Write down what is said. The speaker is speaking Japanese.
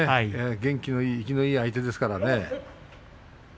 元気な生きのいい相手ですからね。